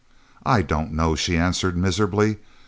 "I don't know," she answered miserably.